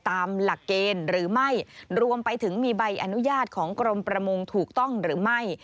ตามหลักเกณฑ์หรือไม่รวมไปถึงมีใบอนุญาตของกรมประมงถูกต้องหรือไม่